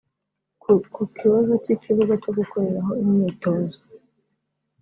Ku kibazo cy’ikibuga cyo gukoreraho imyitozo